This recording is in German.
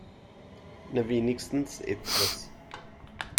Na, wenigstens etwas.